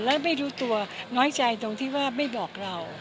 แล้วไม่รู้ตัวน้อยใจตรงที่ว่าไม่บอกเรา